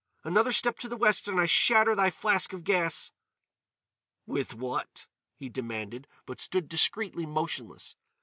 "Another step to the west and I shatter thy flask of gas." "With what?" he demanded; but stood discreetly motionless.